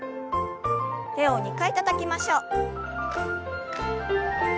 手を２回たたきましょう。